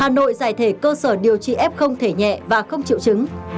hà nội giải thể cơ sở điều trị f thể nhẹ và không triệu chứng